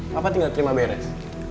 papa tinggal terima beres